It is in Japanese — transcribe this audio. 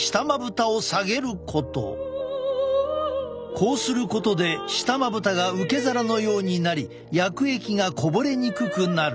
こうすることで下まぶたが受け皿のようになり薬液がこぼれにくくなる。